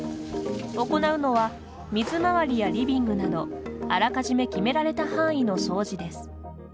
行うのは水回りやリビングなどあらかじめ決められた範囲の掃除です。